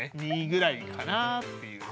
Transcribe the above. ２ぐらいかなっていう。